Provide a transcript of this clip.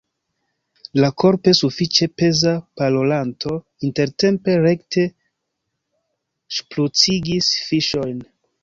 La korpe sufiĉe peza parolanto intertempe rekte ŝprucigis fiŝojn.